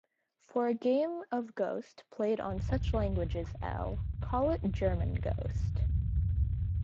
For a game of Ghost played on such languages L, call it German Ghost.